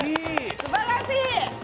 すばらしい！